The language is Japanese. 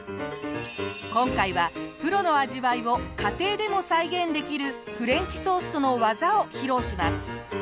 今回はプロの味わいを家庭でも再現できるフレンチトーストの技を披露します！